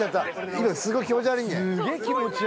今すごい気持ち悪いんじゃない？